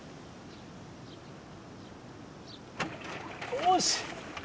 よし！